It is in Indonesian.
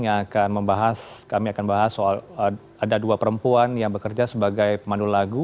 yang akan membahas kami akan bahas soal ada dua perempuan yang bekerja sebagai pemandu lagu